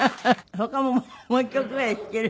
他ももう一曲ぐらい弾ける？